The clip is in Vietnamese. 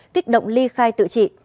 kích động ly khai tự trị